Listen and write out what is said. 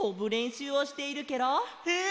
へえ！